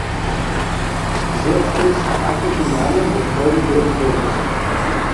Sehr viele sprachliche Normen befolgen wir unbewusst.